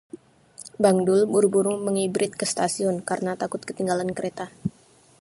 Bang Dul buru-buru mengibrit ke stasiun karena takut ketinggalan kereta